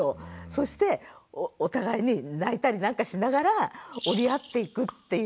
そしてお互いに泣いたりなんかしながら折り合っていくっていう。